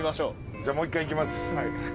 じゃあもう一回いきます。